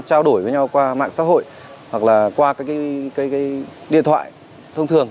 trao đổi với nhau qua mạng xã hội hoặc là qua các cái điện thoại thông thường